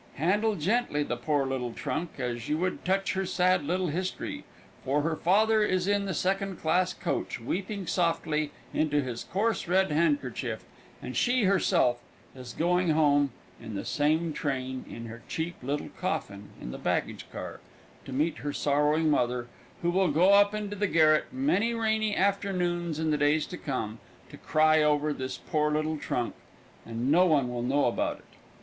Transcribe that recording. Handle gently the poor little trunk, as you would touch her sad little history, for her father is in the second class coach, weeping softly into his coarse red handkerchief, and she, herself, is going home on the same train in her cheap little coffin in the baggage car to meet her sorrowing mother, who will go up into the garret many rainy afternoons in the days to come, to cry over this poor little trunk and no one will know about it.